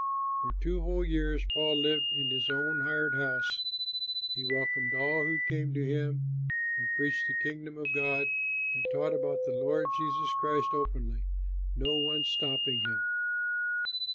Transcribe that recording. For two whole years Paul lived in his own hired house. He welcomed all who came to him, and preached the Kingdom of God, and taught about the Lord Jesus Christ openly, no one stopping him.